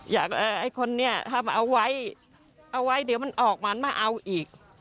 อยากให้คนนี้เอาไว้เดี๋ยวมันออกมามาเอาอีก